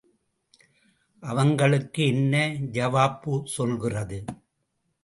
அவங்களுக்கு என்ன ஜவாப்பு சொல்றது?